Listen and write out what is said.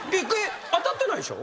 当たってないんでしょ？